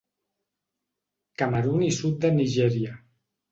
Camerun i sud de Nigèria.